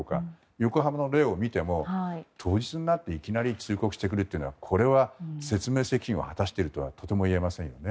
横浜の例を見ても当日になっていきなり通告とはこれは説明責任を果たしているとはとてもいえませんよね。